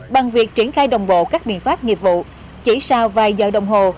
bằng việc triển khai đồng bộ các biện pháp nghiệp vụ chỉ sau vài giờ đồng hồ